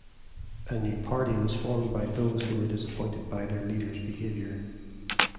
A new party was formed by those who were disappointed by their leader's behaviour.